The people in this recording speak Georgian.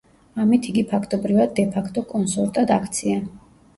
ამით იგი ფაქტობრივად დე ფაქტო კონსორტად აქცია.